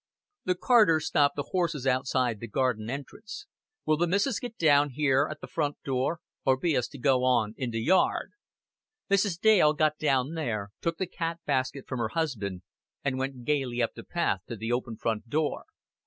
The carter stopped the horses outside the garden entrance. "Will the missis get down here at th' front door, or be us to go on into yaard?" Mrs. Dale got down here, took the cat basket from her husband, and went gaily up the path to the open front door.